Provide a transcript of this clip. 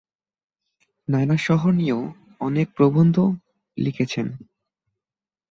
নানা শহর নিয়েও অনেক প্রবন্ধ লিখেছেন।